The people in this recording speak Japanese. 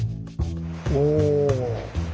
おお。